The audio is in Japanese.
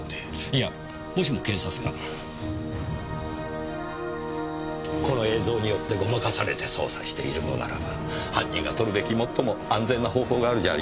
いやもしも警察がこの映像によってごまかされて捜査しているのならば犯人が取るべき最も安全な方法があるじゃありませんか。